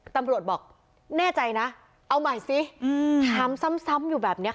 ตำรวจบอกแน่ใจนะเอาใหม่สิถามซ้ำอยู่แบบนี้